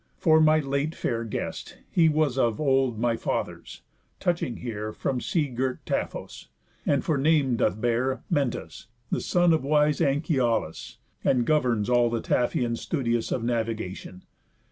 For my late fair guest, He was of old my father's, touching here From sea girt Taphos; and for name doth bear Mentas, the son of wise Anchialus; And governs all the Taphians studious Of navigation."